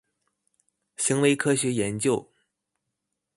行為科學研究